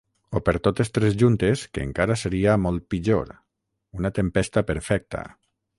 O per totes tres juntes, que encara seria molt pitjor: una tempesta perfecta.